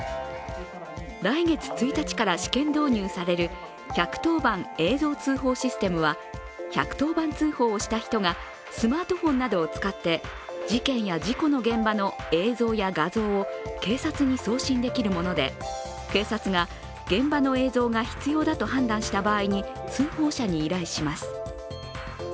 来月１日から試験導入される１１０番映像通報システムは１１０番通報をした人がスマートフォンなどを使って、事件や事故の現場の映像や画像を警察に送信できるもので、警察が現場の映像が必要だと判断した場合に通報者に依頼します。